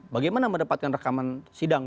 bagaimana mendapatkan rekaman sidang